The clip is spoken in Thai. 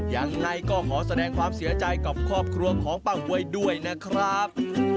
ยังไงก็ขอแสดงความเสียใจกับครอบครัวของป้าหวยด้วยนะครับ